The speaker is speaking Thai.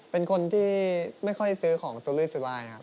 เป็นคนที่ไม่ค่อยซื้อของซูลลื่นซูไลน์ครับ